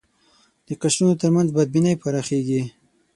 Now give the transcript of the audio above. د قشرونو تر منځ بدبینۍ پراخېږي